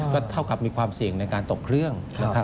ก็เท่ากับมีความเสี่ยงในการตกเครื่องนะครับ